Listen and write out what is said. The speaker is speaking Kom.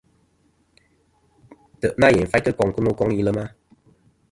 Ntè' nâ yèyn faytɨ koŋ kɨ no koŋ ilema.